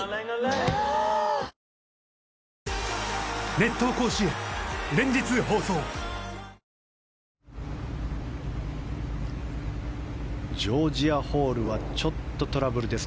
ぷはーっジョージア・ホールはちょっとトラブルです。